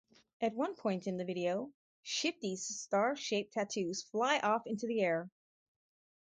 At one point in the video, Shifty's star-shaped tattoos fly off into the air.